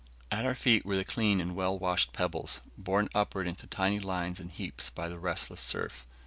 At our feet were the clean and well washed pebbles, borne upward into tiny lines and heaps by the restless surf.